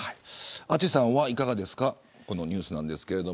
淳さんはいかがですかこのニュース。